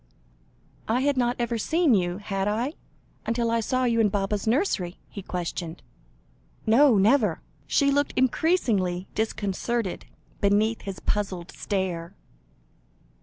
"I had not ever seen you, had I, until I saw you in Baba's nursery?" he questioned. "No never." She looked increasingly disconcerted, beneath his puzzled stare.